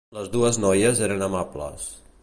Les dues noies eren amables.